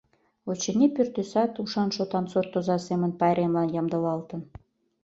Очыни, пӱртӱсат ушан-шотан суртоза семын пайремлан ямдылалтын.